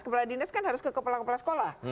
kepala dinas kan harus ke kepala kepala sekolah